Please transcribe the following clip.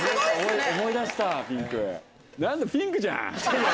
思い出したピンク！